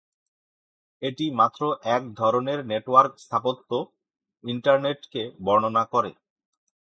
এটি মাত্র এক ধরনের নেটওয়ার্ক স্থাপত্য, ইন্টারনেটকে বর্ণনা করে।